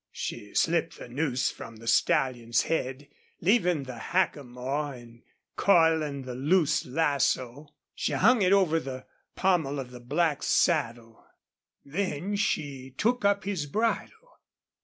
She slipped the noose from the stallion's head, leaving the hackamore, and, coiling the loose lasso, she hung it over the pommel of the black's saddle. Then she took up his bridle.